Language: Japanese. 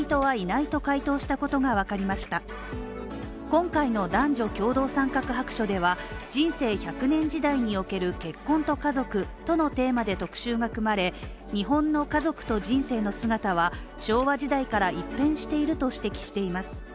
今回の男女共同参画白書では、人生１００年時代における結婚と家族とのテーマで特集が組まれ、日本の家族と人生の姿は昭和時代から一変していると指摘しています。